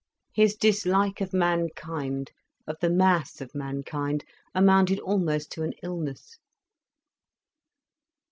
His dislike of mankind, of the mass of mankind, amounted almost to an illness.